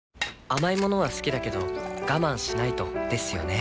甘い物は好きだけど我慢しないとですよね